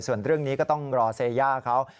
ส่วนเรื่องนี้ก็ต้องรอเซย่าเขา